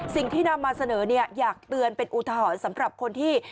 สิ่งที่นำมาเสนอเนี่ยอยากเตือนเป็นอุทหรณ์สำหรับคนที่